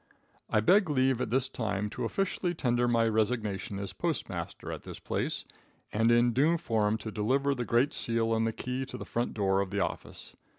I beg leave at this time to officially tender my resignation as postmaster at this place, and in due form to deliver the great seal and the key to the front door of the office.